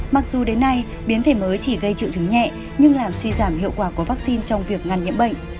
mặc dù đến nay biến thể mới chỉ gây triệu chứng nhẹ nhưng làm suy giảm hiệu quả của vaccine trong việc ngăn nhiễm bệnh